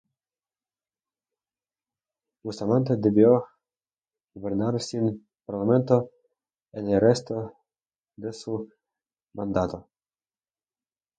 Bustamante debió gobernar sin Parlamento en el resto de su mandato.